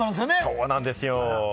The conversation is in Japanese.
そうなんですよ。